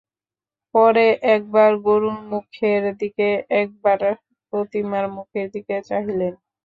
পরে একবার গুরুর মুখের দিকে একবার প্রতিমার মুখের দিকে চাহিলেন।